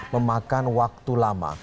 memakan waktu lama